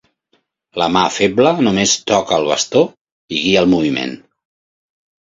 La mà feble només toca el bastó i guia el moviment.